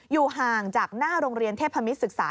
อยู่ห่างจากหน้าโรงเรียนเทพมิตรศึกษา